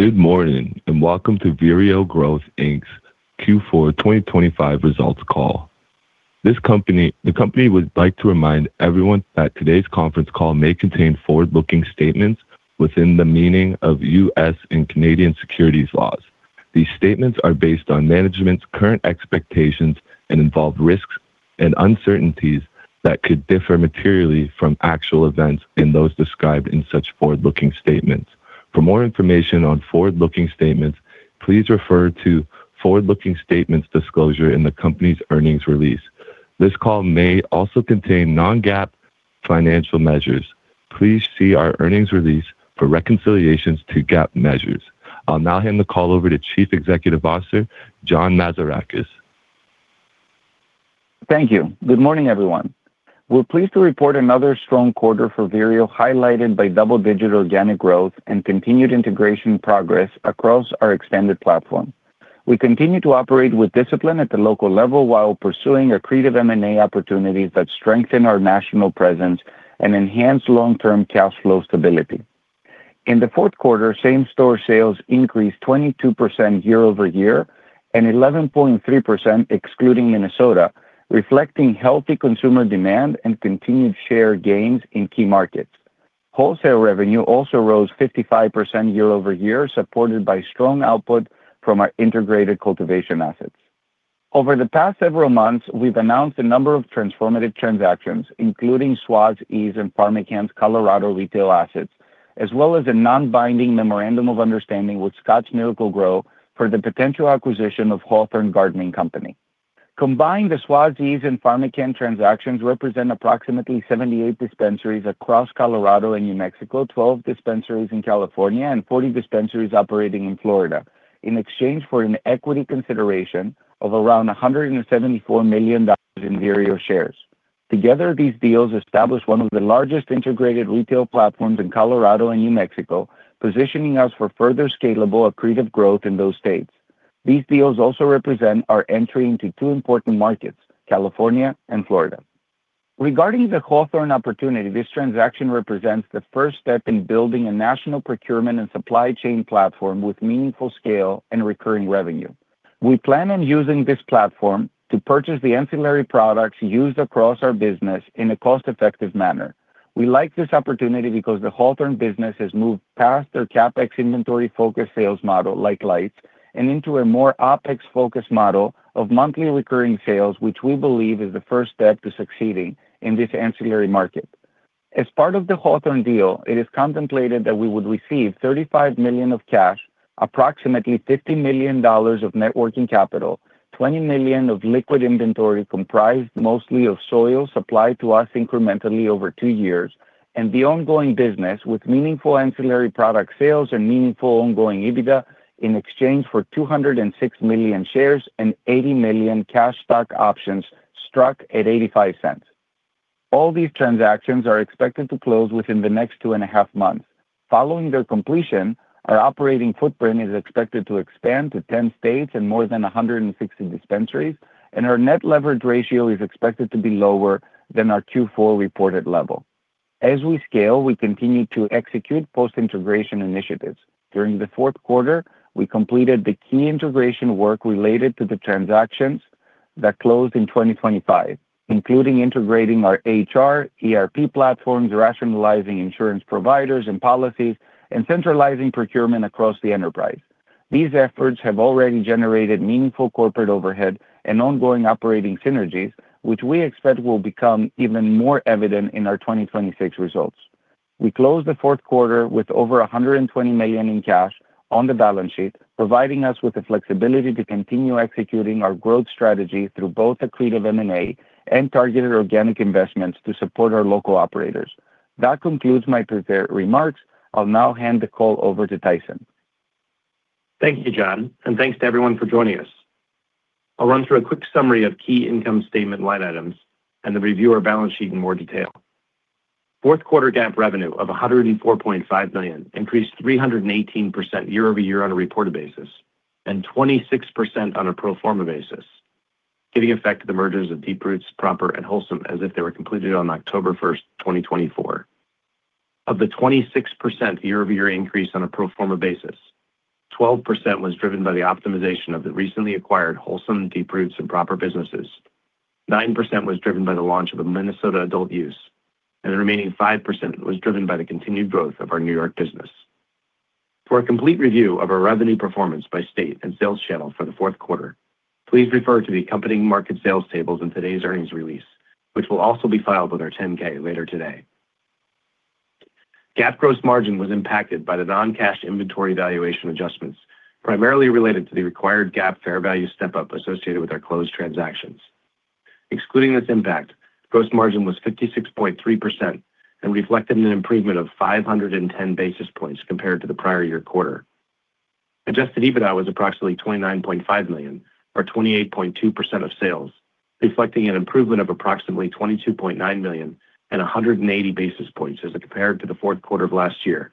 Good morning, and welcome to Vireo Growth Inc.'s Q4 2025 results call. The company would like to remind everyone that today's conference call may contain forward-looking statements within the meaning of U.S. and Canadian securities laws. These statements are based on management's current expectations and involve risks and uncertainties that could differ materially from actual events in those described in such forward-looking statements. For more information on forward-looking statements, please refer to forward-looking statements disclosure in the company's earnings release. This call may also contain non-GAAP financial measures. Please see our earnings release for reconciliations to GAAP measures. I'll now hand the call over to Chief Executive Officer John Mazarakis. Thank you. Good morning, everyone. We're pleased to report another strong quarter for Vireo, highlighted by double-digit organic growth and continued integration progress across our extended platform. We continue to operate with discipline at the local level while pursuing accretive M&A opportunities that strengthen our national presence and enhance long-term cash flow stability. In the fourth quarter, same-store sales increased 22% year-over-year and 11.3% excluding Minnesota, reflecting healthy consumer demand and continued share gains in key markets. Wholesale revenue also rose 55% year-over-year, supported by strong output from our integrated cultivation assets. Over the past several months, we've announced a number of transformative transactions, including Schwazze, Eaze, and PharmaCann's Colorado retail assets, as well as a non-binding memorandum of understanding with The Scotts Miracle-Gro Company for the potential acquisition of Hawthorne Gardening Company. Combined, the Schwazze, Eaze, and PharmaCann transactions represent approximately 78 dispensaries across Colorado and New Mexico, 12 dispensaries in California, and 40 dispensaries operating in Florida in exchange for an equity consideration of around $174 million in Vireo shares. Together, these deals establish one of the largest integrated retail platforms in Colorado and New Mexico, positioning us for further scalable, accretive growth in those states. These deals also represent our entry into two important markets: California and Florida. Regarding the Hawthorne opportunity, this transaction represents the first step in building a national procurement and supply chain platform with meaningful scale and recurring revenue. We plan on using this platform to purchase the ancillary products used across our business in a cost-effective manner. We like this opportunity because the Hawthorne business has moved past their CapEx inventory-focused sales model like lights and into a more OpEx-focused model of monthly recurring sales, which we believe is the first step to succeeding in this ancillary market. As part of the Hawthorne deal, it is contemplated that we would receive $35 million of cash, approximately $50 million of net working capital, $20 million of liquid inventory comprised mostly of soil supplied to us incrementally over two years, and the ongoing business with meaningful ancillary product sales and meaningful ongoing EBITDA in exchange for 206 million shares and 80 million cash stock options struck at $0.85. All these transactions are expected to close within the next 2.5 months. Following their completion, our operating footprint is expected to expand to 10 states and more than 160 dispensaries, and our net leverage ratio is expected to be lower than our Q4 reported level. As we scale, we continue to execute post-integration initiatives. During the fourth quarter, we completed the key integration work related to the transactions that closed in 2025, including integrating our HR, ERP platforms, rationalizing insurance providers and policies, and centralizing procurement across the enterprise. These efforts have already generated meaningful corporate overhead and ongoing operating synergies, which we expect will become even more evident in our 2026 results. We closed the fourth quarter with over $120 million in cash on the balance sheet, providing us with the flexibility to continue executing our growth strategy through both accretive M&A and targeted organic investments to support our local operators. That concludes my prepared remarks. I'll now hand the call over to Tyson. Thank you, John, and thanks to everyone for joining us. I'll run through a quick summary of key income statement line items and then review our balance sheet in more detail. Fourth quarter GAAP revenue of $104.5 million increased 318% year-over-year on a reported basis and 26% on a pro forma basis, giving effect to the mergers of Deep Roots, Proper, and Wholesome as if they were completed on October 1, 2024. Of the 26% year-over-year increase on a pro forma basis, 12% was driven by the optimization of the recently acquired Wholesome, Deep Roots, and Proper businesses. 9% was driven by the launch of the Minnesota adult-use, and the remaining 5% was driven by the continued growth of our New York business. For a complete review of our revenue performance by state and sales channel for the fourth quarter, please refer to the accompanying market sales tables in today's earnings release, which will also be filed with our 10-K later today. GAAP gross margin was impacted by the non-cash inventory valuation adjustments, primarily related to the required GAAP fair value step-up associated with our closed transactions. Excluding this impact, gross margin was 56.3% and reflected an improvement of 510 basis points compared to the prior year quarter. Adjusted EBITDA was approximately $29.5 million or 28.2% of sales, reflecting an improvement of approximately $22.9 million and 180 basis points as compared to the fourth quarter of last year,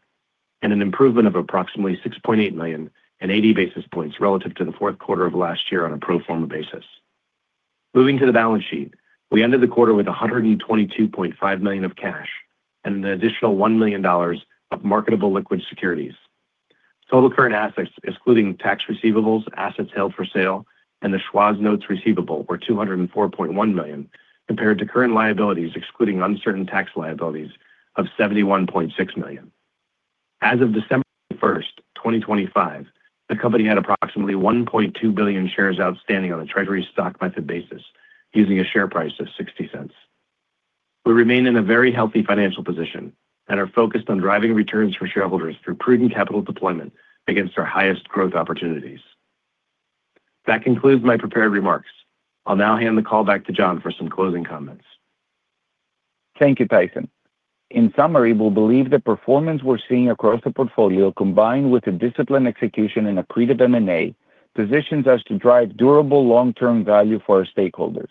and an improvement of approximately $6.8 million and 80 basis points relative to the fourth quarter of last year on a pro forma basis. Moving to the balance sheet. We ended the quarter with $122.5 million of cash and an additional $1 million of marketable liquid securities. Total current assets excluding tax receivables, assets held for sale and the Schwazze notes receivable were $204.1 million, compared to current liabilities excluding uncertain tax liabilities of $71.6 million. As of December 1st, 2025, the company had approximately 1.2 billion shares outstanding on a treasury stock method basis, using a share price of $0.60. We remain in a very healthy financial position and are focused on driving returns for shareholders through prudent capital deployment against our highest growth opportunities. That concludes my prepared remarks. I'll now hand the call back to John for some closing comments. Thank you, Tyson. In summary, we believe the performance we're seeing across the portfolio, combined with a disciplined execution in accretive M&A, positions us to drive durable long-term value for our stakeholders.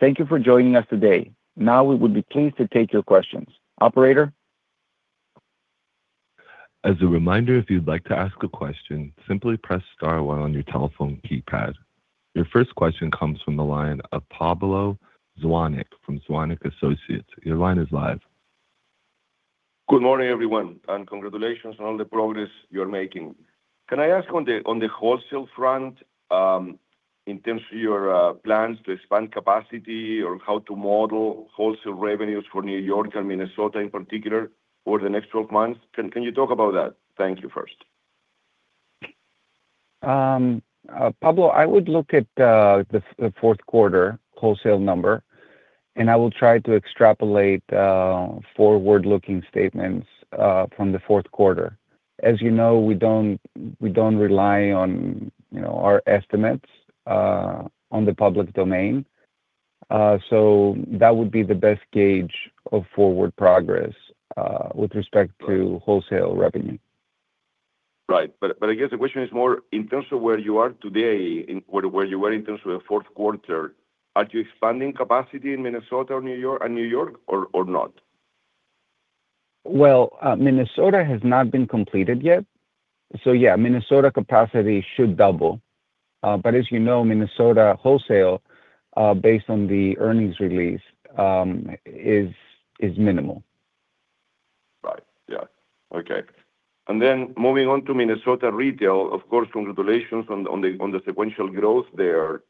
Thank you for joining us today. Now we would be pleased to take your questions. Operator. As a reminder, if you'd like to ask a question, simply press star one on your telephone keypad. Your first question comes from the line of Pablo Zuanic from Zuanic & Associates. Your line is live. Good morning, everyone, and congratulations on all the progress you're making. Can I ask on the wholesale front, in terms of your plans to expand capacity or how to model wholesale revenues for New York and Minnesota in particular over the next 12 months? Can you talk about that? Thank you first. Pablo, I would look at the fourth quarter wholesale number, and I will try to extrapolate forward-looking statements from the fourth quarter. As you know, we don't rely on, you know, our estimates on the public domain. So that would be the best gauge of forward progress with respect to wholesale revenue. Right. I guess the question is more in terms of where you are today and where you were in terms of the fourth quarter. Are you expanding capacity in Minnesota or New York, or not? Well, Minnesota has not been completed yet. Yeah, Minnesota capacity should double. As you know, Minnesota wholesale, based on the earnings release, is minimal. Right. Yeah. Okay. Moving on to Minnesota retail, of course, congratulations on the sequential growth there.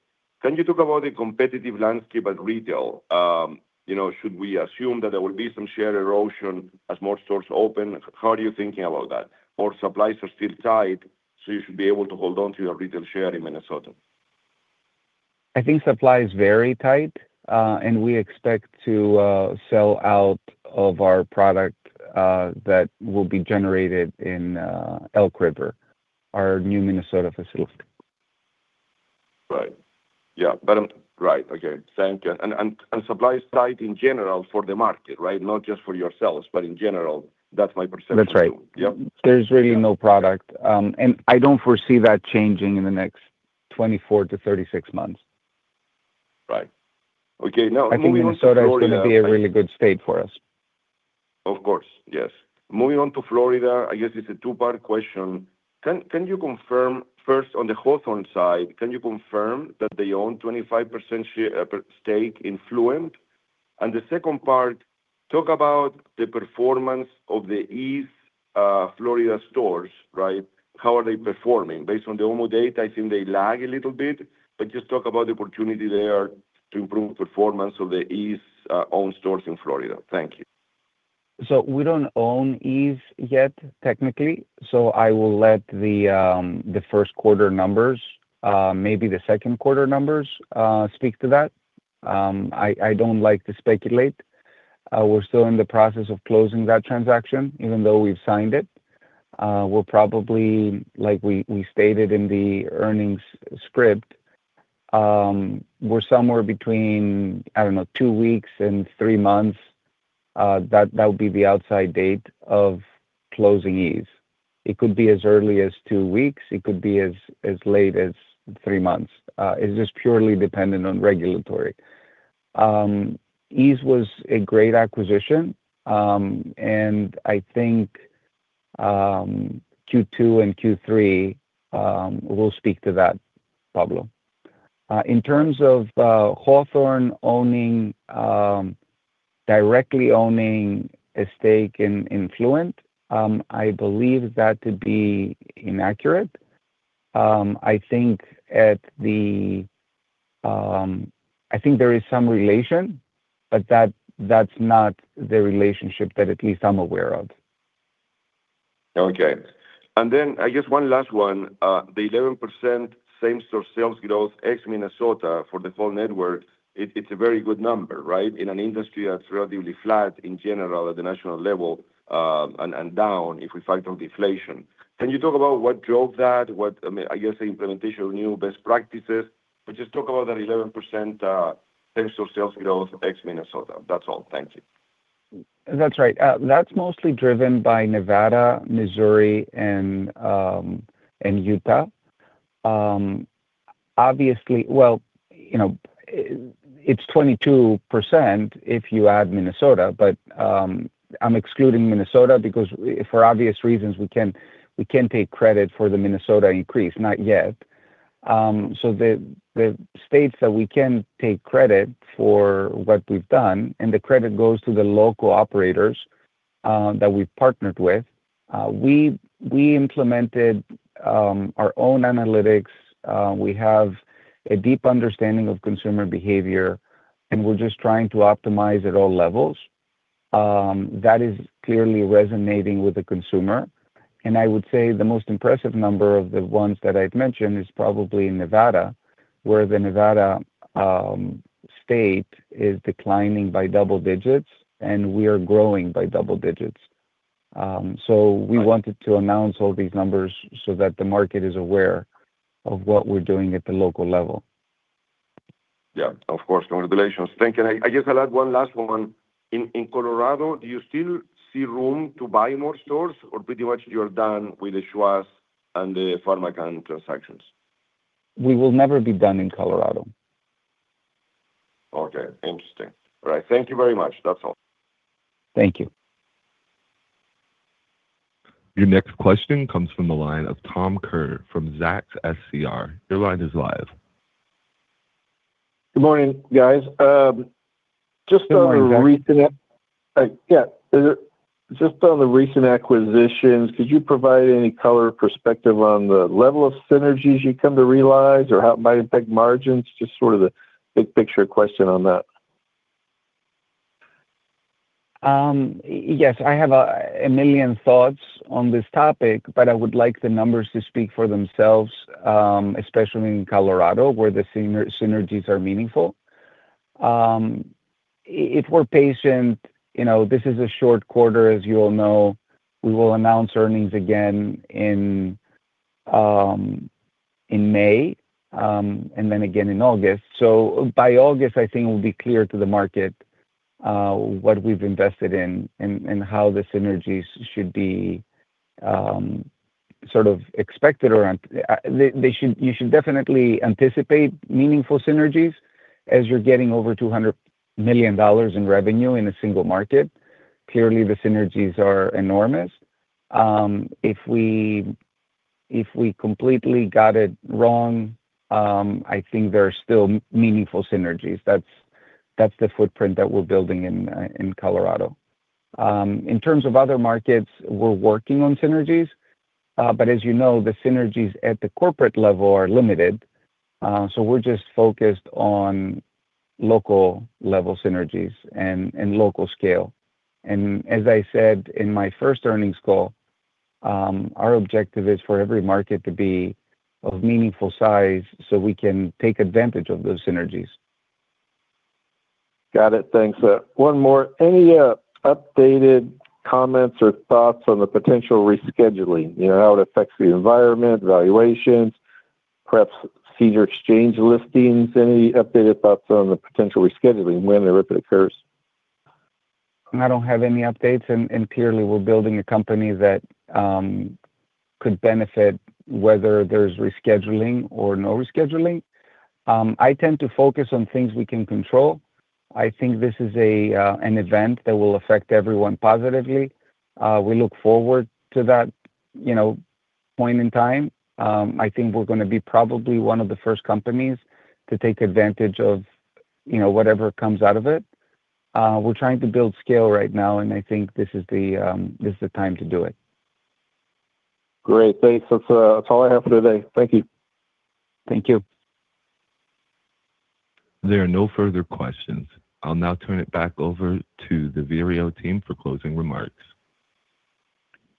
Can you talk about the competitive landscape at retail? You know, should we assume that there will be some share erosion as more stores open? How are you thinking about that? Or supplies are still tight, so you should be able to hold on to your retail share in Minnesota. I think supply is very tight, and we expect to sell out of our product that will be generated in Elk River, our new Minnesota facility. Right. Yeah. Right. Okay. Thank you. Supply is tight in general for the market, right? Not just for yourselves, but in general. That's my perception. That's right. Yep. There's really no product. I don't foresee that changing in the next 24-36 months. Right. Okay. Now moving on to Florida. I think Minnesota is going to be a really good state for us. Of course. Yes. Moving on to Florida, I guess it's a two-part question. Can you confirm first on the Hawthorne side that they own 25% share or stake in Fluent? The second part, talk about the performance of the Eaze's Florida stores, right? How are they performing? Based on the OMMU data, I think they lag a little bit, but just talk about the opportunity there to improve performance of the Eaze's owned stores in Florida. Thank you. We don't own Eaze yet, technically. I will let the first quarter numbers, maybe the second quarter numbers, speak to that. I don't like to speculate. We're still in the process of closing that transaction, even though we've signed it. We'll probably, like we stated in the earnings script, we're somewhere between, I don't know, two weeks and three months. That would be the outside date of closing Eaze. It could be as early as two weeks, it could be as late as three months. It's just purely dependent on regulatory. Eaze was a great acquisition, and I think Q2 and Q3 will speak to that, Pablo. In terms of Hawthorne directly owning a stake in Fluent, I believe that to be inaccurate. I think there is some relation, but that's not the relationship that at least I'm aware of. Okay. I guess one last one. The 11% same-store sales growth ex Minnesota for the full network, it's a very good number, right? In an industry that's relatively flat in general at the national level, and down if we factor deflation. Can you talk about what drove that? I mean, I guess the implementation of new best practices. Just talk about that 11% same-store sales growth ex Minnesota. That's all. Thank you. That's right. That's mostly driven by Nevada, Missouri and Utah. You know, it's 22% if you add Minnesota, but I'm excluding Minnesota because for obvious reasons, we can't take credit for the Minnesota increase. Not yet. The states that we can take credit for what we've done, and the credit goes to the local operators that we've partnered with. We implemented our own analytics. We have a deep understanding of consumer behavior, and we're just trying to optimize at all levels. That is clearly resonating with the consumer. I would say the most impressive number of the ones that I've mentioned is probably Nevada, where the Nevada state is declining by double digits and we are growing by double digits. We wanted to announce all these numbers so that the market is aware of what we're doing at the local level. Yeah. Of course. Congratulations. Thank you. I guess I'll add one last one. In Colorado, do you still see room to buy more stores or pretty much you're done with the Schwazze and the PharmaCann transactions? We will never be done in Colorado. Okay. Interesting. All right. Thank you very much. That's all. Thank you. Your next question comes from the line of Tom Kerr from Zacks SCR. Your line is live. Good morning, guys. Just on recent- Good morning, Tom. Yeah. Just on the recent acquisitions, could you provide any color perspective on the level of synergies you come to realize or how it might impact margins? Just sort of the big picture question on that. Yes. I have a million thoughts on this topic, but I would like the numbers to speak for themselves, especially in Colorado, where the synergies are meaningful. If we're patient, you know, this is a short quarter as you all know. We will announce earnings again in May, and then again in August. By August, I think it will be clear to the market what we've invested in and how the synergies should be sort of expected. You should definitely anticipate meaningful synergies as you're getting over $200 million in revenue in a single market. Clearly, the synergies are enormous. If we completely got it wrong, I think there are still meaningful synergies. That's the footprint that we're building in Colorado. In terms of other markets, we're working on synergies, but as you know, the synergies at the corporate level are limited, so we're just focused on local level synergies and local scale. As I said in my first earnings call, our objective is for every market to be of meaningful size so we can take advantage of those synergies. Got it. Thanks. One more. Any updated comments or thoughts on the potential rescheduling? You know, how it affects the environment, valuations, perhaps CSE exchange listings? Any updated thoughts on the potential rescheduling when and if it occurs? I don't have any updates and clearly we're building a company that could benefit whether there's rescheduling or no rescheduling. I tend to focus on things we can control. I think this is an event that will affect everyone positively. We look forward to that, you know, point in time. I think we're gonna be probably one of the first companies to take advantage of, you know, whatever comes out of it. We're trying to build scale right now, and I think this is the time to do it. Great. Thanks. That's all I have for today. Thank you. Thank you. There are no further questions. I'll now turn it back over to the Vireo team for closing remarks.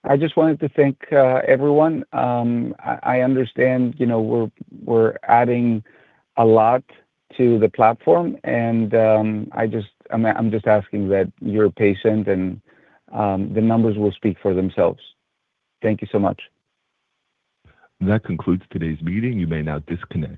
I just wanted to thank everyone. I understand, you know, we're adding a lot to the platform and I'm just asking that you're patient and the numbers will speak for themselves. Thank you so much. That concludes today's meeting. You may now disconnect.